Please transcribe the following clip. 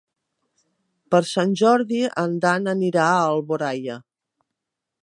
Per Sant Jordi en Dan anirà a Alboraia.